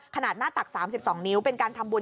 ขนาดหน้าตัก๓๒นิ้วเป็นการทำบุญ